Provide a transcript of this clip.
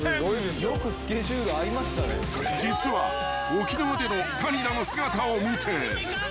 ［実は沖縄での谷田の姿を見て］